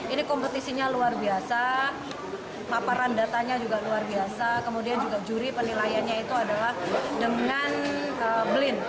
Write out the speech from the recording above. ini kompetisinya luar biasa paparan datanya juga luar biasa kemudian juga juri penilaiannya itu adalah dengan blin